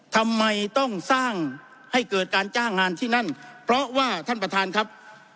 ทำไมต้องสร้างให้เกิดการจ้างงานที่นั่นเพราะว่าท่านประธานครับ